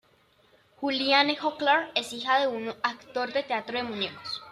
Juliane Köhler es hija de un actor de teatro de muñecos.